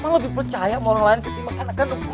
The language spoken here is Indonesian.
mak lebih percaya sama orang lain ketimbang anak anak